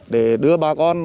để đưa bà con